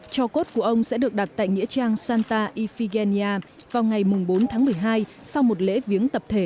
cho cốt của ông sẽ được đặt tại nghĩa trang santa ifigenia vào ngày bốn tháng một mươi hai sau một lễ viếng tập thể